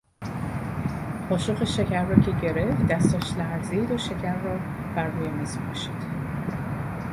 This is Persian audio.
قاشق شکر را که گرفت دستش لرزید و شکر را بر رومیزی پاشید.